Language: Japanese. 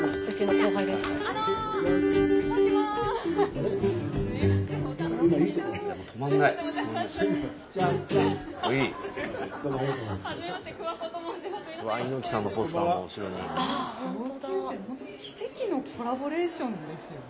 皆さん同級生、奇跡のコラボレーションですよね。